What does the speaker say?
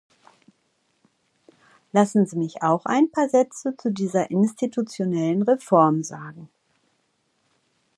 Lassen Sie mich auch ein paar Sätze zu dieser institutionellen Reform sagen.